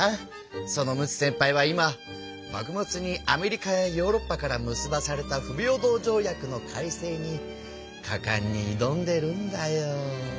その陸奥先輩は今幕末にアメリカやヨーロッパから結ばされた不平等条約の改正にかかんに挑んでるんだよ。